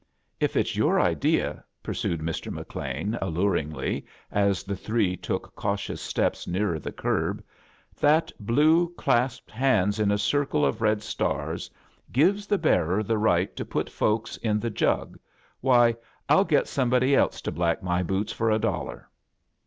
"If it's your idea," pursued Mr. McLean, alluringly, as the three took cautious steps nearer the curb, "that blue, clasped hands in a circle of red stars gives the bearer the A JOXJRNEY IN SEARCH OF CHRISTHAS right to ptrt folks in the jisg — why, Til get somebody else to black my boots for a dollar."